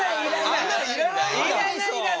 あんなの要らないんだ。